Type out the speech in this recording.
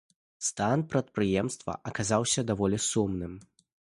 Стан прадпрыемства аказаўся даволі сумным.